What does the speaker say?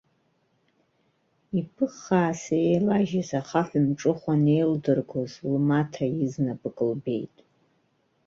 Иԥыххааса еилажьыз ахаҳә-мҿыхә анеилдыргоз лмоҭа изнапык лбеит.